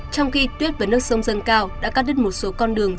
trong khi tuyết và nước sông dâng cao đã cắt đứt một số con đường